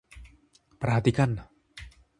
Perhatikan.